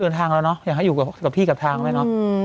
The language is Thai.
ลือทางแล้วเนอะอยากอยู่กับพี่กับทางเลยเนอะ